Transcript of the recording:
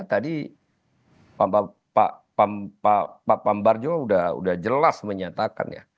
tadi pak pambarjo sudah jelas menyatakan ya